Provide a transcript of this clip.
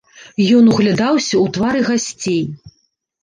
Ён углядаўся ў твары гасцей.